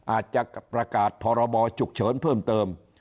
อาจจะประกาศพรบฉุกเฉินเพิ่มเติม